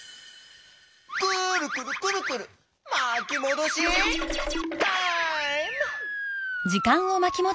くるくるくるくるまきもどしタイム！